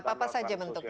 apa apa saja bentuknya